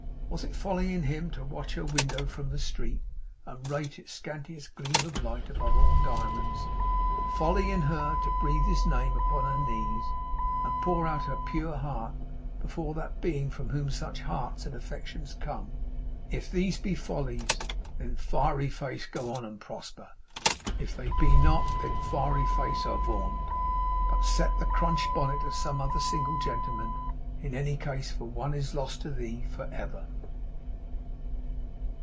Was it folly in him to watch her window from the street, and rate its scantiest gleam of light above all diamonds; folly in her to breathe his name upon her knees, and pour out her pure heart before that Being from whom such hearts and such affections come? If these be follies, then Fiery Face go on and prosper! If they be not, then Fiery Face avaunt! But set the crunched bonnet at some other single gentleman, in any case, for one is lost to thee for ever!